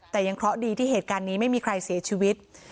แต่ยังเคราะห์ดีที่เหตุการณ์นี้ไม่มีใครเสียชีวิต